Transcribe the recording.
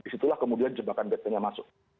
disitulah kemudian jebakan betanya masuk